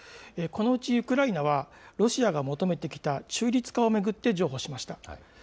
このうちウクライナは、ロシアが求めてきた中立化を巡って譲歩しました。